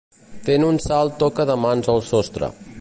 Fent un salt toca de mans al sostre.